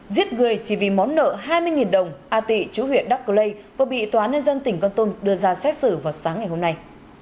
giết người chỉ vì món nợ hai mươi đồng a tị chú huyện đắc cơ lây vừa bị tòa án nhân dân tỉnh con tôn đưa ra xét xử vào sáng ngày hôm nay